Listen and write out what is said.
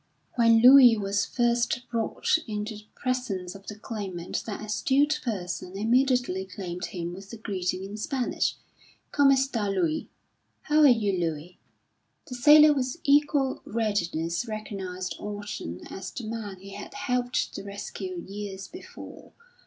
When Luie was first brought into the presence of the Claimant that astute person immediately claimed him with the greeting in Spanish "Como esta, Luie?" "How are you, Luie?" The sailor with equal readiness recognised Orton as the man he had helped to rescue years before.